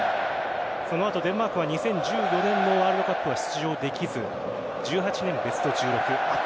その後、デンマークは２０１４年のワールドカップは出場できず１８年、ベスト１６。